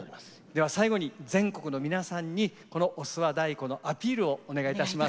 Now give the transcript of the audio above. では最後に全国の皆さんにこの御諏訪太鼓のアピールをお願いいたします。